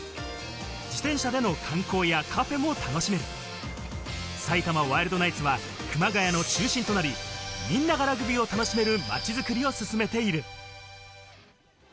自転車での観光やカフェも楽しめる埼玉ワイルドナイツは熊谷の中心となり、みんながラグビーを楽しめる街づくりを進めている。